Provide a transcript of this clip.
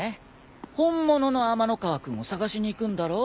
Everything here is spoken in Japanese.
本物のアマノカワ君を捜しに行くんだろ？